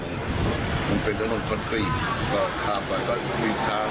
จะหรือเป็นถนนคอนกรีตเขาก็ข้ามไปอีกทาง